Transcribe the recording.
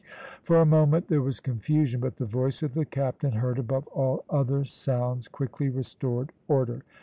For a moment there was confusion; but the voice of the captain, heard above all other sounds, quickly restored order.